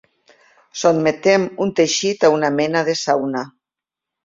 Sotmetem un teixit a una mena de sauna.